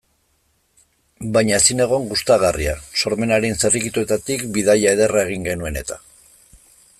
Baina ezinegon gustagarria, sormenaren zirrikituetatik bidaia ederra egin genuen eta.